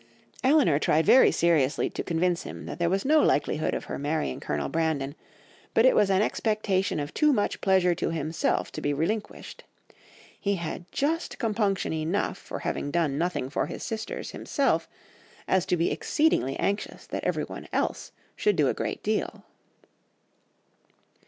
"Elinor tried very seriously to convince him that there was no likelihood of her marrying Colonel Brandon, but it was an expectation of too much pleasure to himself to be relinquished.... He had just compunction enough for having done nothing for his sisters himself to be exceedingly anxious that everyone else should do a great deal."